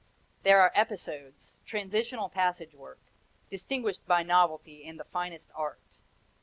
There are episodes, transitional passage work, distinguished by novelty and the finest art.